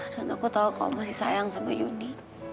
dan aku tahu kamu masih sayang sama yuni